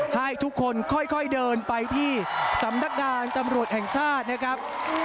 ให้ทุกคนค่อยเดินไปที่สำนักงานตำรวจแห่งชาตินะครับ